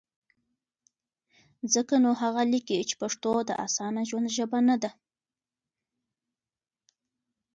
ځکه نو هغه لیکي، چې پښتو د اسانه ژوند ژبه نه ده؛